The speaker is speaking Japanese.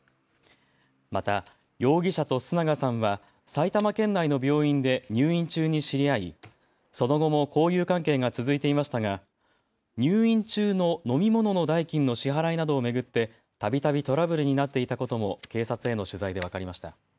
また容疑者と須永さんは埼玉県内の病院で入院中に知り合いその後も交友関係が続いていましたが入院中の飲み物の代金の支払いなどを巡ってたびたびトラブルになっていたことも警察への取材で分かりました。